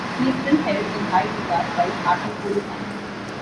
He is still held in high regard by Hartlepool fans.